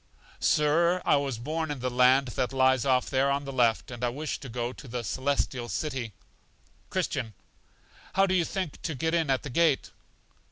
Sir, I was born in the land that lies off there on the left, and I wish to go to The Celestial City. Christian. How do you think to get in at the gate?